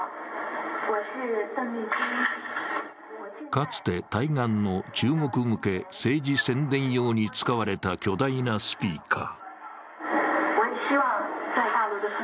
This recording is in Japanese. かつて対岸の中国向け政治宣伝用に使われた巨大なスピーカー。